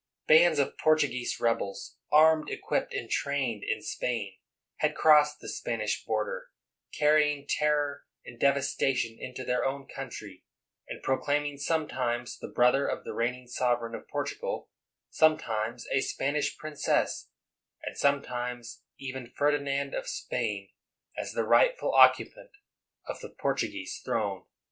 Bands of Portu guese rebels, armed, equipped, and trained in Spain, had crossed the Spanish frontier, carry ing terror and devastation into their own coun try, and proclaiming sometimes the brother of the reigning sovereign of Portugal, sometimes a Spanish princess, and sometimes even Ferdi nand of Spain, as the rightful occupant of the Portuguese throne.